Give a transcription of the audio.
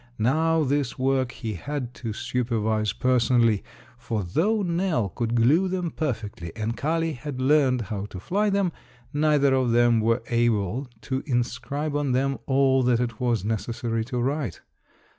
Now this work he had to supervise personally. For though Nell could glue them perfectly, and Kali had learned how to fly them, neither of them were able to inscribe on them all that it was necessary to write.